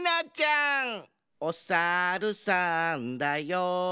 「おさるさんだよ」